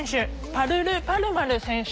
パルル・パルマル選手